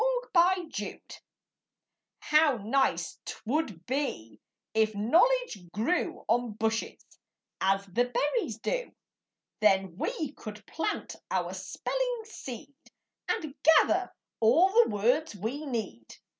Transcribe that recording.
EASY KNOWLEDGE How nice 'twould be if knowledge grew On bushes, as the berries do! Then we could plant our spelling seed, And gather all the words we need.